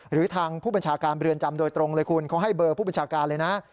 หรือทางผู้บัญชาการเรือนจำโดยตรงเลยคุณเขาให้เบอร์ผู้บัญชาการเลยนะ